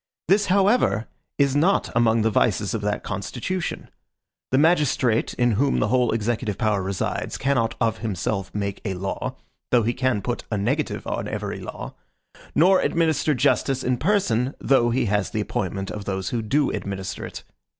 This, however, is not among the vices of that constitution. The magistrate in whom the whole executive power resides cannot of himself make a law, though he can put a negative on every law; nor administer justice in person, though he has the appointment of those who do administer it.